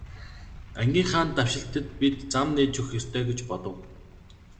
Ангийнхаа давшилтад бид зам нээж өгөх ёстой гэж бодов.